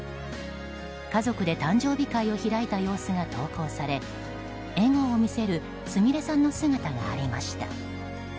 家族で誕生日会を開いた様子が投稿され笑顔を見せるすみれさんの姿がありました。